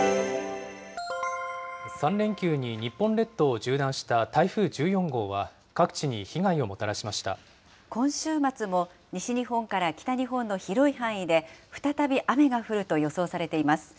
３連休に日本列島を縦断した台風１４号は、各地に被害をもた今週末も、西日本から北日本の広い範囲で、再び雨が降ると予想されています。